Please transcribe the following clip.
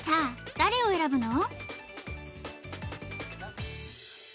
誰を選ぶの？